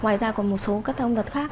ngoài ra còn một số các thông vật khác